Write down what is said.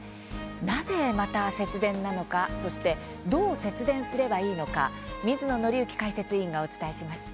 なぜまた節電なのかそしてどう節電すればいいのか水野倫之解説委員がお伝えします。